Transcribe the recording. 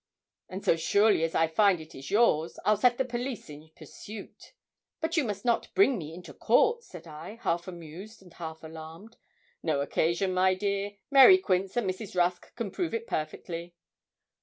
'And so surely as I find it is yours, I'll set the police in pursuit.' 'But you must not bring me into court,' said I, half amused and half alarmed. 'No occasion, my dear; Mary Quince and Mrs. Rusk can prove it perfectly.'